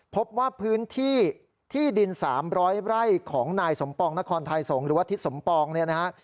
พบว่าพื้นที่ที่ดิน๓๐๐ไร่ของนายสมปองนครไทยสงฆ์หรือว่าทิศสมปองเนี่ยนะฮะ